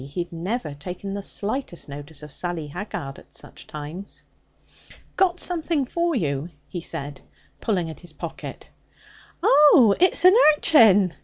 He had never taken the slightest notice of Sally Haggard at such times. 'Got something for you,' he said, pulling at his pocket. 'Oh! It's an urchin!'